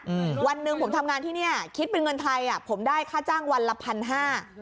อืมวันหนึ่งผมทำงานที่เนี้ยคิดเป็นเงินไทยอ่ะผมได้ค่าจ้างวันละพันห้า